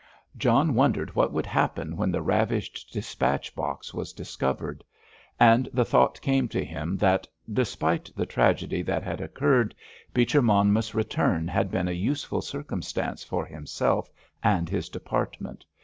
John wondered what would happen when the ravished dispatch box was discovered. And the thought came to him that, despite the tragedy that had occurred, Beecher Monmouth's return had been a useful circumstance for himself and his department.